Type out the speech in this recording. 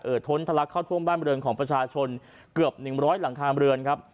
เอ่อท้นทะลักเข้าท่วมบ้านบริเวณของประชาชนเกือบหนึ่งร้อยหลังคาบริเวณครับ